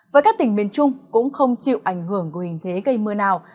với các tỉnh miền trung cũng không chịu ảnh hưởng của hình thế gây mưa nào